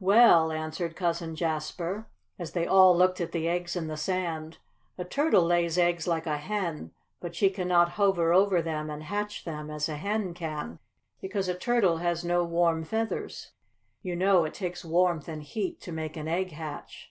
"Well," answered Cousin Jasper, as they all looked at the eggs in the sand, "a turtle lays eggs like a hen, but she cannot hover over them, and hatch them, as a hen can, because a turtle has no warm feathers. You know it takes warmth and heat to make an egg hatch.